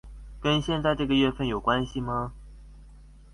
跟現在這個月份有關係嗎